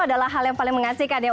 adalah hal yang paling mengasihkan ya